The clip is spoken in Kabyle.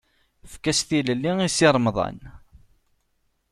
Efk-as tilelli i Si Remḍan!